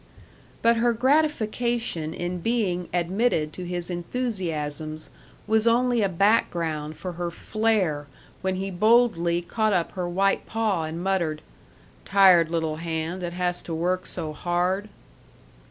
But her gratification in being admitted to his enthusiasms was only a background for her flare when he boldly caught up her white paw and muttered, "Tired little hand that has to work so hard!"